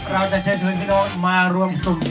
เราจะเชิญที่น้องมาร่วมกับ